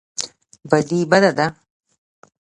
بدي بده ده.